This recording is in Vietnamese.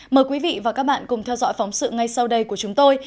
mời quý vị và các bạn cùng theo dõi phóng sự ngay sau đây của chúng tôi